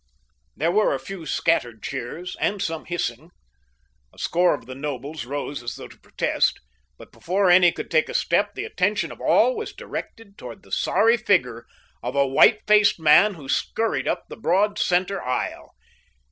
There were a few scattered cheers and some hissing. A score of the nobles rose as though to protest, but before any could take a step the attention of all was directed toward the sorry figure of a white faced man who scurried up the broad center aisle.